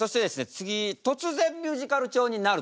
次突然ミュージカル調になると。